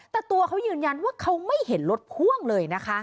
แต่ตัวเขายืนยันว่าเขาไม่เห็นรถพ่วงเลยนะคะ